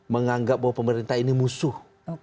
menganggap bahwa pemerintah ini musuh